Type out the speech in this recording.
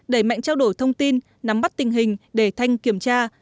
đẩy mạnh trao đổi thông tin nắm bắt tình hình để thanh kiểm tra